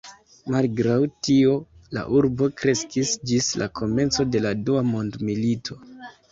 Malgraŭ tio, la urbo kreskis ĝis la komenco de la Dua mondmilito.